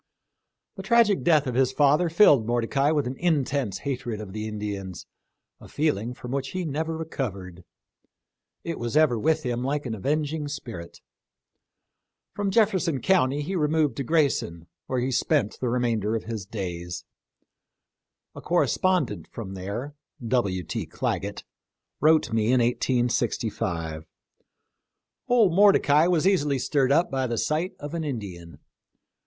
The tragic death of his father filled Mordecai with an intense hatred of the Indians — a feeling from which he never recovered. It was ever with him like an avenging spirit. From Jefferson county he removed to Grayson, where he spent the re mainder' of his days. A correspondent * from there wrote me in 1865 :" Old Mordecai was easily stirred up by the sight of an Indian.